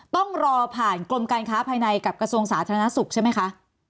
ต้องรอผ่านกรมการค้าภายในกับกระทรวงสาธารณสุขใช่ไหมคะ